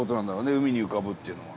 海に浮かぶっていうのは。